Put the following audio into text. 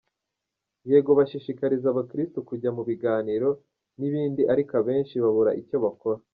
Yego bashishikariza abakirisitu kujya mu biganiro, n’ibindi ariko abenshi babura icyo bakora”.